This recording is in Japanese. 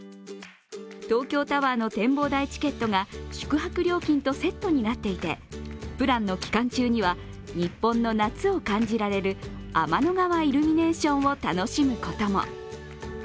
東京タワーの展望台チケットが宿泊料金とセットになっていてプランの期間中には日本の夏を感じられる天の川イルミネーションを楽しむことも。